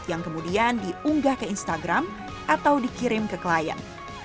yang kemudian diunggah ke instagram atau dikirim ke klien